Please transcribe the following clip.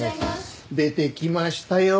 出てきましたよ